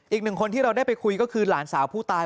อีกหนึ่งคนที่เราได้ไปคุยก็คือหลานสาวผู้ตาย